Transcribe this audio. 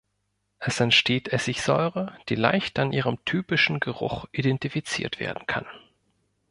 Es entsteht Essigsäure, die leicht an ihrem typischen Geruch identifiziert werden kann.